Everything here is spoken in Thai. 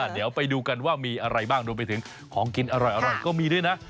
เดี๋ยวไปดูกันว่ามีอะไรบ้างรวมไปถึงของกินอร่อยก็มีด้วยนะ